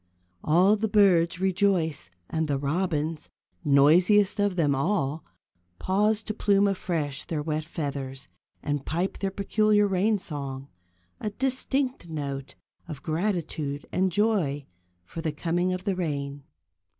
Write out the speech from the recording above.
All the birds rejoice, and the robins, noisiest of them all, pause to plume afresh their wet feathers, and pipe their peculiar rain song; a distinct note of gratitude and joy for the coming of the rain.